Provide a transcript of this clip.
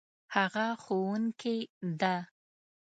هغه ښوونکې ده